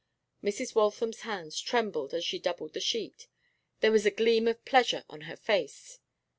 Mrs. Waltham's hands trembled as she doubled the sheet: there was a gleam of pleasure on her face.